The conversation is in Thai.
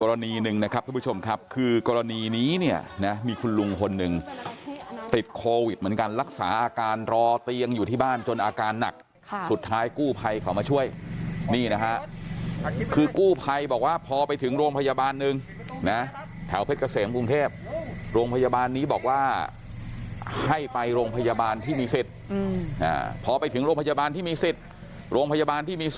หนึ่งนะครับทุกผู้ชมครับคือกรณีนี้เนี่ยนะมีคุณลุงคนหนึ่งติดโควิดเหมือนกันรักษาอาการรอเตียงอยู่ที่บ้านจนอาการหนักสุดท้ายกู้ภัยเขามาช่วยนี่นะฮะคือกู้ภัยบอกว่าพอไปถึงโรงพยาบาลหนึ่งนะแถวเพชรเกษมกรุงเทพโรงพยาบาลนี้บอกว่าให้ไปโรงพยาบาลที่มีสิทธิ์พอไปถึงโรงพยาบาลที่มีสิทธิ์โรงพยาบาลที่มีส